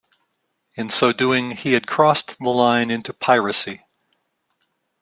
In so doing, he had crossed the line into piracy.